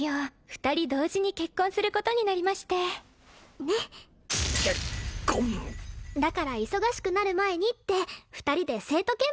二人同時に結婚することになりましてねっ結婚だから忙しくなる前にって二人で聖都見物に来たのよ